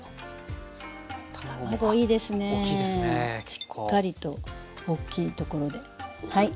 しっかりと大きいところではい。